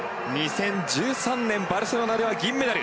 ２０１３年バルセロナでは銀メダル。